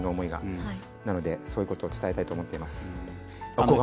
なのでそういうことを伝えたいと思っています。